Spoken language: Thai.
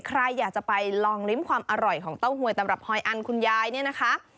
ใครอยากจะไปลองลิ้มความอร่อยของเต้าหวยตำรับหอยอันคุณยายเนี่ยนะคะ